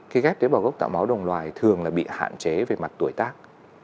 khi ghép tế bào gốc tạo máu đồng loài thường là bị hạn chế về mặt tuổi tác